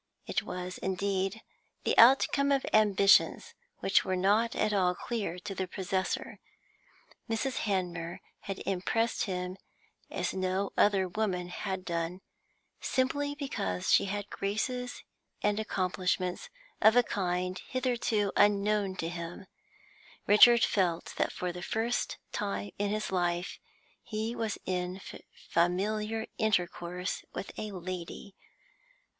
It was, indeed, the outcome of ambitions which were not at all clear to their possessor. Miss Hanmer had impressed him as no other woman had done, simply because she had graces and accomplishments of a kind hitherto unknown to him; Richard felt that for the first time in his life he was in familiar intercourse with a 'lady.'